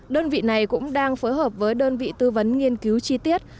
đơn vị này cũng đang phối hợp với đơn vị tư vấn nghiên cứu chi tiết